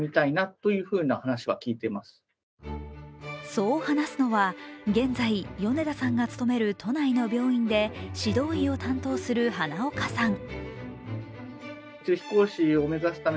そう話すのは、現在、米田さんが勤める都内の病院で指導医を担当する花岡さん。